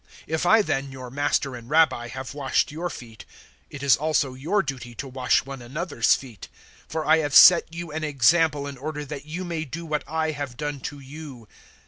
013:014 If I then, your Master and Rabbi, have washed your feet, it is also your duty to wash one another's feet. 013:015 For I have set you an example in order that you may do what I have done to you.